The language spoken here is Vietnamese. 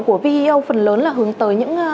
của veo phần lớn là hướng tới những